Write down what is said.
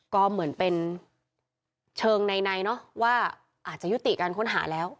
ก็เหมือนเป็นเชิงในเนอะว่าอาจจะยุติการค้นหาแล้ว